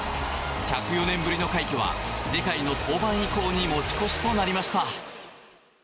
１０４年ぶりの快挙は次回の登板以降に持ち越しとなりました。